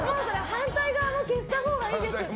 反対側も消したほうがいいですって。